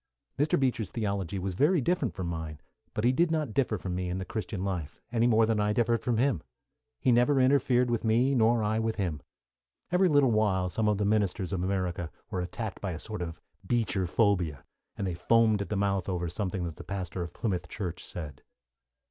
Mr. Beecher's theology was very different from mine, but he did not differ from me in the Christian life, any more than I differed from him. He never interfered with me, nor I with him. Every little while some of the ministers of America were attacked by a sort of Beecher phobia, and they foamed at the mouth over something that the pastor of Plymouth Church said.